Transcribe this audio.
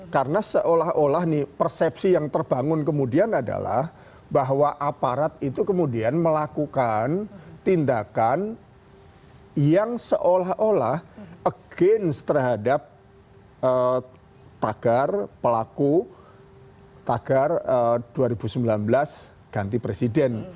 karena seolah olah persepsi yang terbangun kemudian adalah bahwa aparat itu kemudian melakukan tindakan yang seolah olah against terhadap tagar pelaku tagar dua ribu sembilan belas ganti presiden